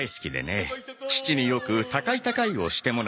父によく高い高いをしてもらってたんだ。